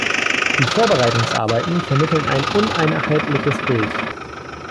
Die Vorbereitungsarbeiten vermitteln ein uneinheitliches Bild.